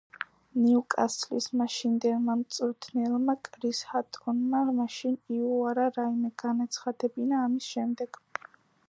ნიუკასლის მაშინდელმა მწვრთნელმა კრის ჰატონმა მაშინ იუარა რაიმე განეცხადებინა ამის შესახებ.